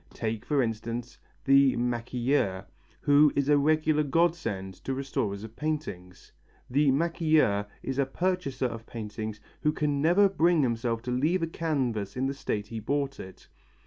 Take for instance the maquilleur, who is a regular godsend to restorers of paintings. The maquilleur is a purchaser of paintings who can never bring himself to leave a canvas in the state he bought it.